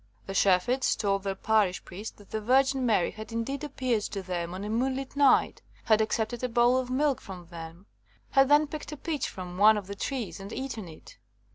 The shepherds told their parish priest that the Virgin Mary had in deed appeared to them on a moonlit night, had accepted a bowl of milk from them, had then picked a peach from one of the trees and eaten it.